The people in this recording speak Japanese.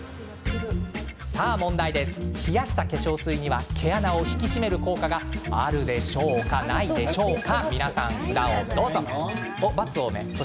冷やした化粧水には毛穴を引き締める効果があるでしょうか、ないでしょうかさあ皆さん、札をどうぞ。